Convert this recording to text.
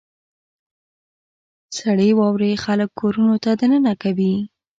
• سړې واورې خلک کورونو ته دننه کوي.